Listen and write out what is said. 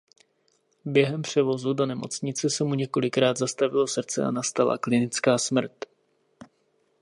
Během převozu do nemocnice se mu několikrát zastavilo srdce a nastala klinická smrt.